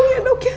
tolong ya dok ya